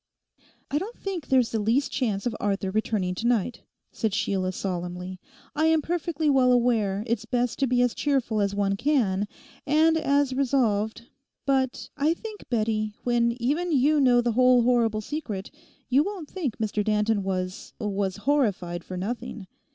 'I don't think there's the least chance of Arthur returning to night,' said Sheila solemnly. 'I am perfectly well aware it's best to be as cheerful as one can—and as resolved; but I think, Bettie, when even you know the whole horrible secret, you won't think Mr Danton was—was horrified for nothing.